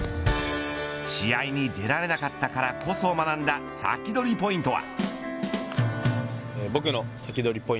試合に出られなかったからこそ学んだサキドリポイントは。